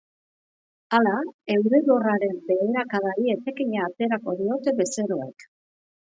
Hala, euriborraren beherakadari etekina aterako diote bezeroek.